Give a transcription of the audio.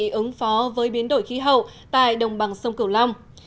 hội nghị ứng phó với biến đổi khí hậu tại đồng bằng sông cửu long